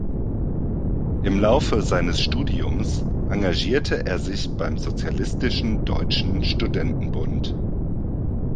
Im Laufe seines Studiums engagierte er sich beim Sozialistischen Deutschen Studentenbund.